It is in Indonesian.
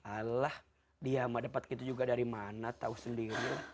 alah dia mau dapat gitu juga dari mana tahu sendiri